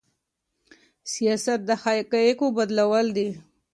سياست د حقايقو بدلول دي.